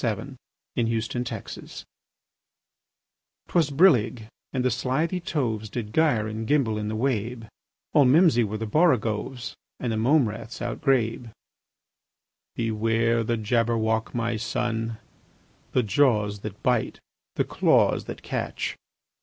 Lewis Carroll Jabberwocky 'TWAS brillig, and the slithy toves Did gyre and gimble in the wabe: All mimsy were the borogoves, And the mome raths outgrabe. "Beware the Jabberwock, my son! The jaws that bite, the claws that catch!